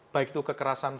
baik itu kekerasan